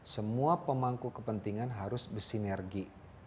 semua pemangku kepentingan harus bersinergi